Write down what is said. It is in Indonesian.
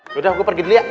yaudah gua pergi dulu ya